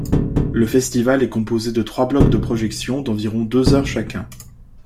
Le festival est composé de trois blocs de projections d’environ deux heures chacun.